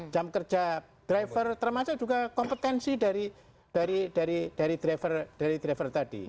jam kerja driver termasuk juga kompetensi dari driver tadi